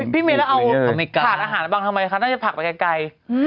ทานอาหารไว้บ้างทำไมคะน่าจะขับไว้ใหญ่